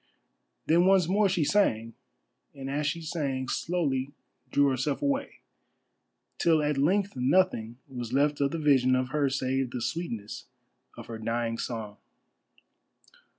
Then once more she sang, and as she sang, slowly drew herself away, till at length nothing was left of the vision of her save the sweetness of her dying song.